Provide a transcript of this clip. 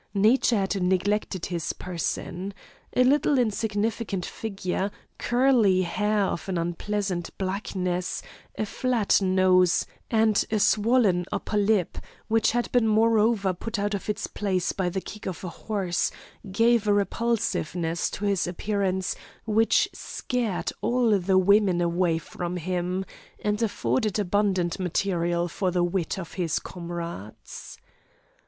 Nature had neglected his person. A little insignificant figure, curly hair of an unpleasant blackness, a flat nose, and a swollen upper lip, which had been moreover put out of its place by the kick of a horse, gave a repulsiveness to his appearance, which scared all the women away from him, and afforded abundant material for the wit of his comrades.